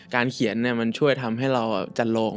การเขียนเนี่ยมันช่วยทำให้เราจันโล่ง